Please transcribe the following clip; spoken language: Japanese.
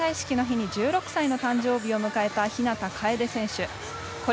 開会式の日に１６歳の誕生日を迎えた日向楓選手。